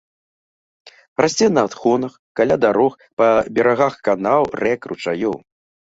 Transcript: Расце на адхонах, каля дарог, па берагах канаў, рэк, ручаёў.